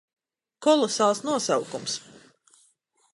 Kolosāls nosaukums.